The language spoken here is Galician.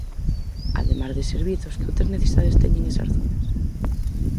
Ademais de servizos, que outras necesidades teñen esas zonas?